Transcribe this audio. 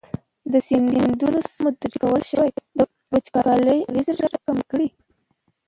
د سیندونو سم مدیریت کولی شي د وچکالۍ اغېزې راکمې کړي.